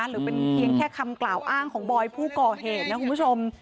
หรือเป็นเพียงแค่คำกล่าวอ้างของบอยผู้ก่อเหตุนะคุณผู้ชม